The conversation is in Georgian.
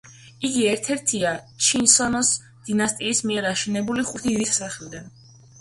იგი ერთ-ერთია ჩოსონის დინასტიის მიერ აშენებული „ხუთი დიდი სასახლიდან“.